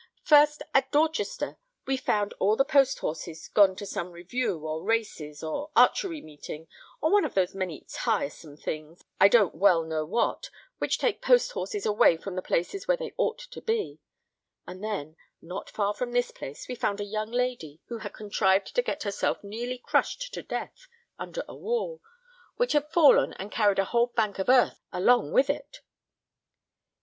First, at Dorchester, we found all the post horses gone to some review, or races, or archery meeting, or one of those many tiresome things, I don't well know what, which take post horses away from the places where they ought to be; and then, not far from this place, we found a young lady who had contrived to get herself nearly crushed to death under a wall, which had fallen, and carried a whole bank of earth along with it."